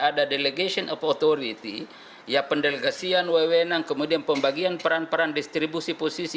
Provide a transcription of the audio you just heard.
ada delegation of authority ya pendelgasian ww enam kemudian pembagian peran peran distribusi posisi